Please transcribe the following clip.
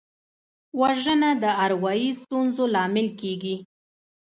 وژنه د اروايي ستونزو لامل کېږي